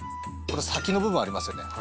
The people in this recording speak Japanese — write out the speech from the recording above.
先の部分ありますよね。